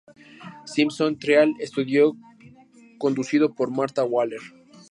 Simpson trial estudio conducido por Marta Waller.